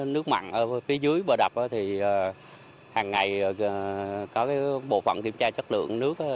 nước mặn ở phía dưới bờ đập thì hàng ngày có bộ phận kiểm tra chất lượng nước